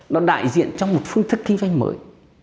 nó đại diện trong một phương thức kinh doanh mới